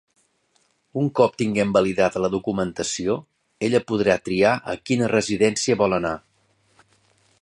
Un cop tinguem validada la documentació, ella podrà triar a quina residència vol anar.